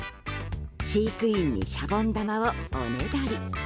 飼育員にシャボン玉をおねだり。